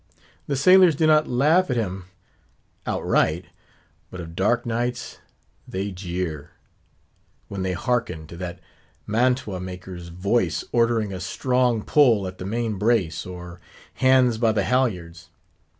The sailors do not laugh at him outright; but of dark nights they jeer, when they hearken to that mantuamaker's voice ordering a strong pull at the main brace, or _hands by the halyards!